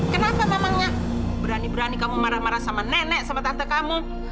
kenapa mamanya berani berani kamu marah marah sama nenek sama tante kamu